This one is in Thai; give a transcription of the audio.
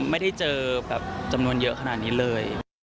ไม่ได้เจอแบบจำนวนเยอะขนาดนี้เลย